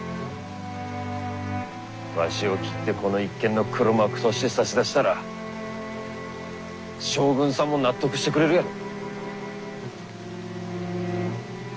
わしを斬ってこの一件の黒幕として差し出したら将軍さんも納得してくれるやろう。